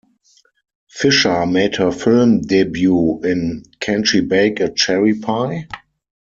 Fisher made her film debut in Can She Bake a Cherry Pie?